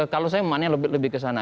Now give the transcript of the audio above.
kalau saya memanah lebih ke sana